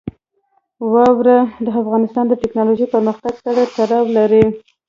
واوره د افغانستان د تکنالوژۍ پرمختګ سره تړاو لري.